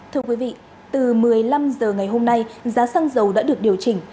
thưa quý vị từ một mươi năm h ngày hôm nay giá xăng dầu đã được điều chỉnh